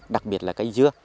đặc biệt là cây dưa